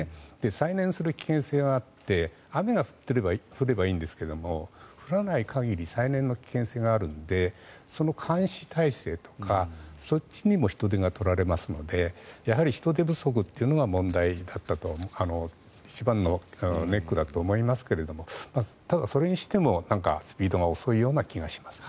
再燃する危険性があって雨が降ればいいんですが降らない限り再燃の危険性があるのでその監視態勢とかそっちにも人手が取られますのでやはり人手不足というのが一番のネックだと思いますがただ、それにしてもスピードが遅いような気がしますね。